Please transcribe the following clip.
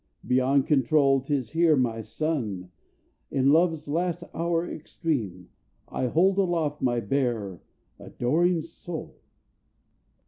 Beyond control, 'Tis here, my Sun, in love's last hour extreme, I hold aloft my bare, adoring soul.